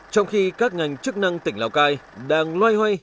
trong khi các ngành chức năng tỉnh lào cai đang loay hoay